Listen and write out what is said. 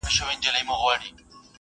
هغه وويل چي تنظيم کول مهم دي.